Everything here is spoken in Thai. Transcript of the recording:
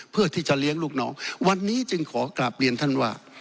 เพื่อที่จะเลี้ยงลูกน้องวันนี้จึงขอกลับเรียนท่านว่า